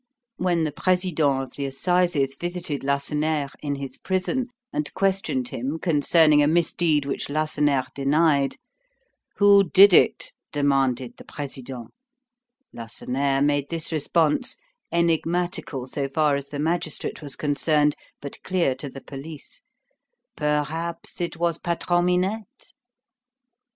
When the President of the Assizes visited Lacenaire in his prison, and questioned him concerning a misdeed which Lacenaire denied, "Who did it?" demanded the President. Lacenaire made this response, enigmatical so far as the magistrate was concerned, but clear to the police: "Perhaps it was Patron Minette."